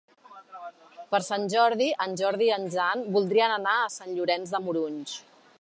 Per Sant Jordi en Jordi i en Jan voldrien anar a Sant Llorenç de Morunys.